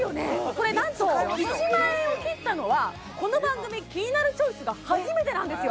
これなんと１万円を切ったのはこの番組「キニナルチョイス」が初めてなんですよ